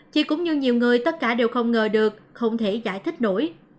chị cũng như nhiều người tất cả đều không ngờ được không thể giải thích nổi